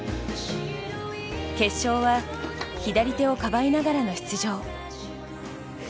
決勝は左手をかばいながらの出場。